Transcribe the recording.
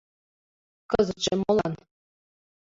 Кызытше молан?